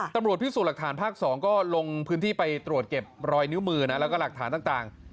ตำรวจพิสูจน์หลักฐานภาค๒ก็ลงพื้นที่ไปตรวจเก็บรอยนิ้วมือนะแล้วก็หลักฐานต่าง